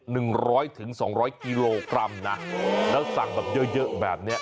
หนึ่งร้อยถึงสองร้อยกิโลกรัมนะแล้วสั่งแบบเยอะเยอะแบบเนี้ย